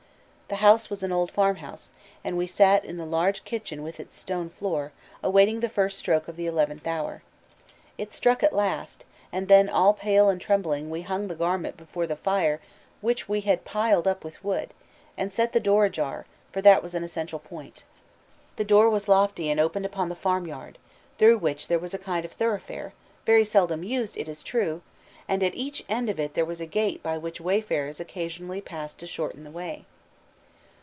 The house was an old farmhouse, and we sat in the large kitchen with its stone floor, awaiting the first stroke of the eleventh hour. It struck at last, and then all pale and trembling we hung the garment before the fire which we had piled up with wood, and set the door ajar, for that was an essential point. The door was lofty and opened upon the farmyard, through which there was a kind of thoroughfare, very seldom used, it is true, and at each end of it there was a gate by which wayfarers occasionally passed to shorten the way.